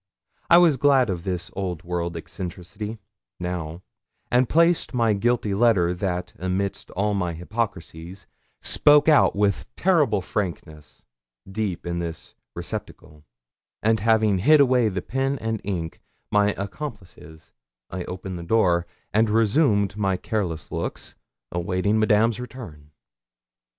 I was glad of this old world eccentricity now, and placed my guilty letter, that, amidst all my hypocrisies, spoke out with terrible frankness, deep in this receptacle, and having hid away the pen and ink, my accomplices, I opened the door, and resumed my careless looks, awaiting Madame's return.